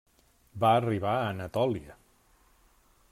Va arribar a Anatòlia.